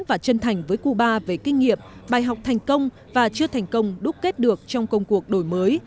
và chân thành với cuba về kinh nghiệm bài học thành công và chưa thành công đúc kết được trong công cuộc đổi mới